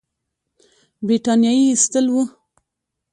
برټانیې ایستل وو.